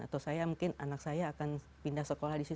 atau saya mungkin anak saya akan pindah sekolah di sini